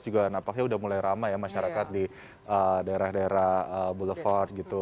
juga nampaknya sudah mulai ramai ya masyarakat di daerah daerah boulevard gitu